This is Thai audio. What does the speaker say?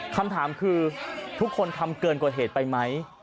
คำถามคือทุกคนทำเกินกว่าเหตุไปไหม